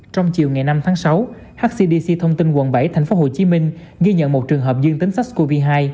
trong chiều ngày năm tháng sáu hcdc thông tin quận bảy tp hcm ghi nhận một trường hợp dương tính sars cov hai